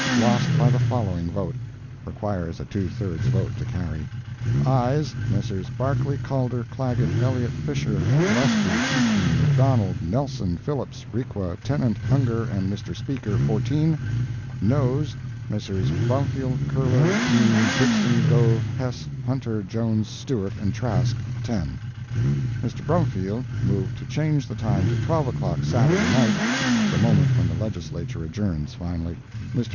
Lost by the following vote (required a two thirds vote to carry): AYES—Messrs. Barclay, Calder, Clagett, Elliott, Fisher, Gillespie, Heaton, McDonald, Nelson, Phillips, Requa, Tennant, Ungar and Mr. Speaker—14. NOES—Messrs. Brumfield, Curler, Dean, Dixson, Gove, Hess, Hunter, Jones, Stewart and Trask—10. Mr. Brumfield moved to change the time to 12 o'clock Saturday night (the moment when the Legislature adjourns finally). Mr.